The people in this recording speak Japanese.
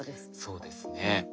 そうですね。